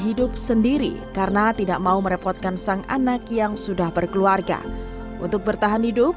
hidup sendiri karena tidak mau merepotkan sang anak yang sudah berkeluarga untuk bertahan hidup